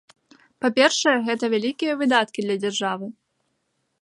Па-першае, гэта вялікія выдаткі для дзяржавы.